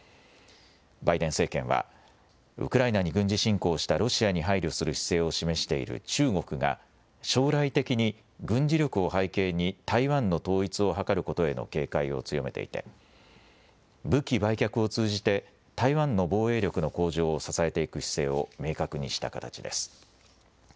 バイデン政権は、ウクライナに軍事侵攻したロシアに配慮する姿勢を示している中国が将来的に軍事力を背景に台湾の統一を図ることへの警戒を強めていて武器売却を通じて台湾の防衛力の向上を支えていく姿勢を明確にした形です。